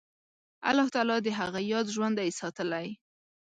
الله تعالی د هغه یاد ژوندی ساتلی.